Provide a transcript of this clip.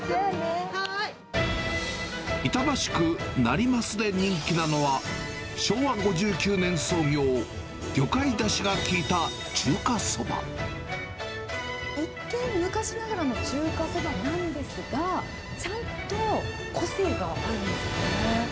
板橋区成増で人気なのは、昭和５９年創業、一見、昔ながらの中華そばなんですが、ちゃんと個性があるんですね。